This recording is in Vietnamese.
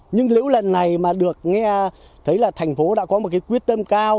nhưng nếu lần này mà được nghe thấy là thành phố đã có một quyết tâm cao